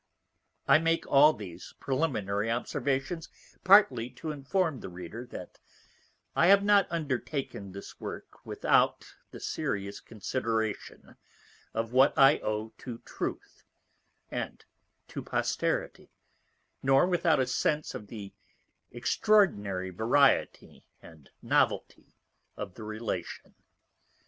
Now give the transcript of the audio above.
_ _I make all these preliminary Observations, partly to inform the Reader, that I have not undertaken this Work without the serious Consideration of what I owe to Truth, and to Posterity; nor without a Sence of the extraordinary Variety and Novelty of the Relation.